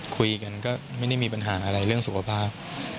คุยกันก็ไม่ได้มีปัญหาอะไรเรื่องสุขภาพ